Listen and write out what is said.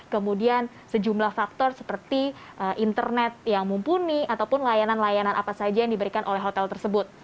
kemudian sejumlah faktor seperti internet yang mumpuni ataupun layanan layanan apa saja yang diberikan oleh hotel tersebut